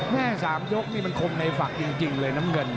๓ยกนี่มันคมในฝักจริงเลยน้ำเงิน